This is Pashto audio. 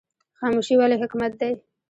خاموشي ولې حکمت دی؟